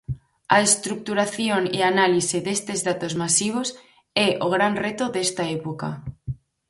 A estruturación e análise destes datos masivos é o gran reto desta época.